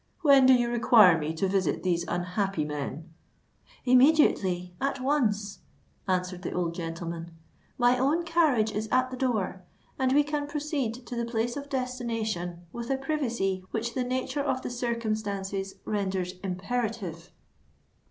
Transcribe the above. When do you require me to visit these unhappy men?" "Immediately—at once," answered the old gentleman. "My own carriage is at the door; and we can proceed to the place of destination with a privacy which the nature of the circumstances renders imperative."